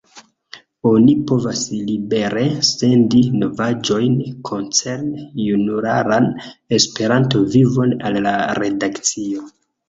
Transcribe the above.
Oni povas libere sendi novaĵojn koncerne junularan Esperanto-vivon al la redakcio.